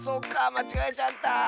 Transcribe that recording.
まちがえちゃった！